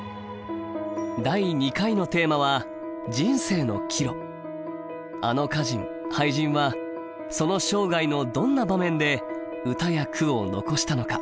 第２回のテーマはあの歌人・俳人はその生涯のどんな場面で歌や句を残したのか？